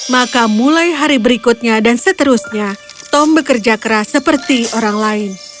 maka mulai hari berikutnya dan seterusnya tom bekerja keras seperti orang lain